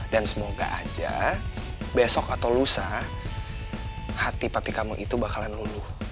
dan semoga aja besok atau lusa hati papi kamu itu bakalan lulu